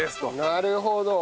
なるほど！